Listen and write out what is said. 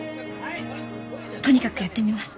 とにかくやってみます。